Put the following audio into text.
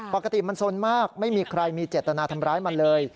ปกติมันสนมากไม่มีใครมีเจตนาทำร้ายมันเลย